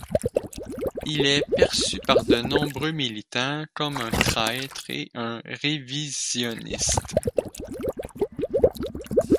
Il est perçu par de nombreux militants comme un traître et un révisionniste.